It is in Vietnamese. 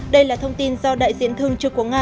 đây là thông tin do đại diện thương trực của nga